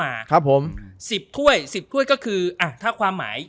อ้าว